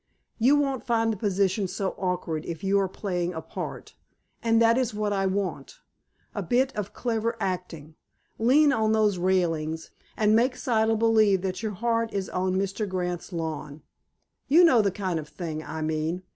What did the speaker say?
"You won't find the position so awkward if you are playing a part. And that is what I want—a bit of clever acting. Lean on those railings, and make Siddle believe that your heart is on Mr. Grant's lawn. You know the kind of thing I mean.